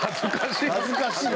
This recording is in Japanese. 恥ずかしい。